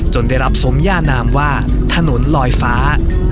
ได้รับสมย่านามว่าถนนลอยฟ้า